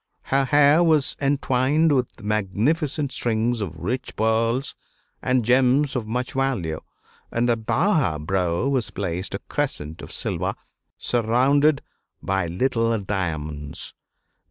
Her hair was entwined with magnificent strings of rich pearls and gems of much value, and above her brow was placed a crescent of silver, surrounded by little diamonds.